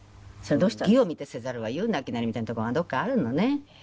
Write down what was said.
「義を見てせざるは勇なきなり」みたいなところがどこかあるのね。